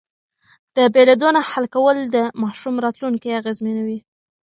د بېلېدو نه حل کول د ماشوم راتلونکی اغېزمنوي.